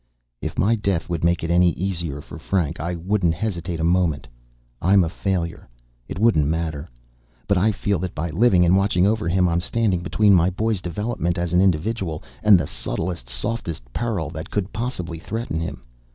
"If my death would make it any easier for Frank, I wouldn't hesitate a moment. I'm a failure. It wouldn't matter. But I feel that by living and watching over him I'm standing between my boy's development as an individual, and the subtlest, softest peril that could possibly threaten him.